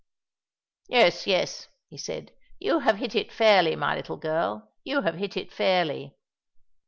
"Yes, yes," he said; "you have hit it fairly, my little girl, you have hit it fairly."